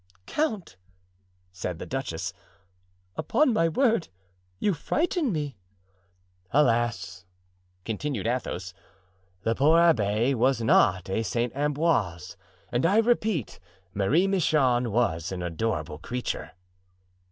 "Count," said the duchess, "upon my word, you frighten me." "Alas!" continued Athos, "the poor abbé was not a St. Ambroise, and I repeat, Marie Michon was an adorable creature."